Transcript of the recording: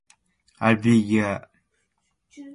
O batan on to Susaana Jooɗi.